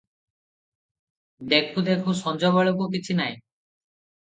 ଦେଖୁଁ ଦେଖୁଁ ସଞ୍ଜବେଳକୁ କିଛି ନାହିଁ ।